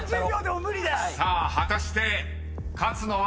［さあ果たして勝つのは］